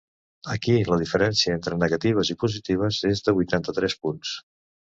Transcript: Aquí la diferència entre negatives i positives és de vuitanta-tres punts.